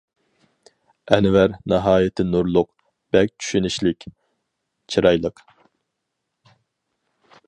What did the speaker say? ئەنۋەر : ناھايىتى نۇرلۇق، بەك چۈشىنىشلىك، چىرايلىق.